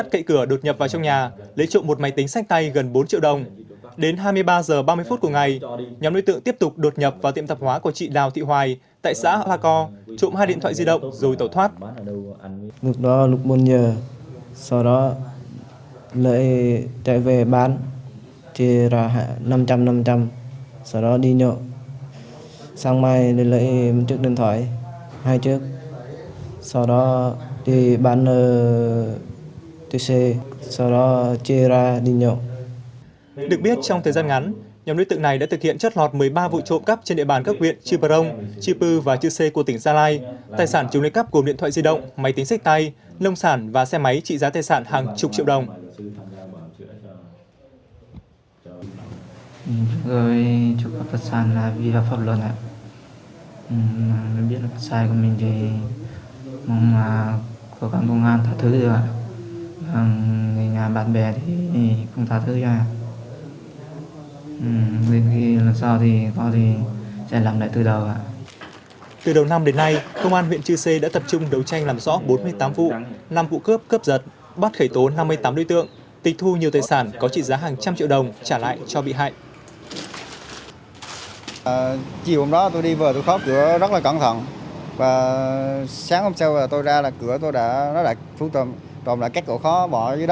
từ đầu năm đến nay công an huyện chư sê đã tập trung đấu tranh làm rõ bốn mươi tám vụ năm vụ cướp cướp giật bắt khẩy tố năm mươi tám đối tượng tịch thu nhiều tài sản có trị giá hàng trăm triệu đồng trả lại cho bị hại